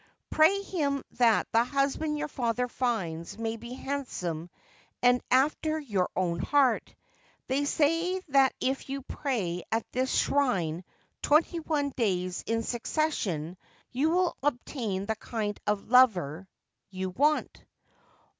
Pray him that the husband your father finds may be 'handsome and after your own heart. They say that if you pray at this shrine twenty one days in succession you will obtain the kind of lover you want.'